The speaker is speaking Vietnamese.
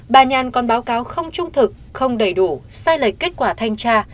bà nhàn còn báo cáo không trung thực không đầy đủ sai lệch kết quả thanh tra